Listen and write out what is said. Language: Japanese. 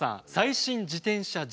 最新自転車事情